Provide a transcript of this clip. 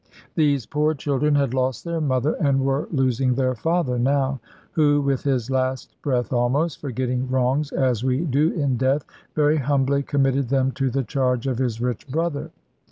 These poor children had lost their mother, and were losing their father now, who with his last breath almost, forgetting wrongs, as we do in death, very humbly committed them to the charge of his rich brother.